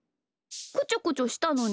こちょこちょしたのに？